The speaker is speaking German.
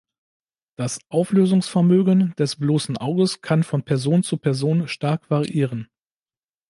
Das Auflösungsvermögen des bloßen Auges kann von Person zu Person stark variieren.